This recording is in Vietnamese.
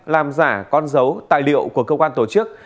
làm giả con dấu tài liệu của cơ quan tổ chức